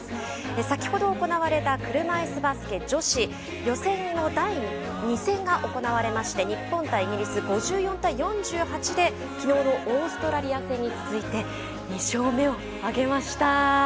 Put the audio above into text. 先ほど、行われた車いすバスケ女子予選の第２戦が行われまして日本対イギリス、５４対４８できのうのオーストラリア戦に続いて２勝目を挙げました。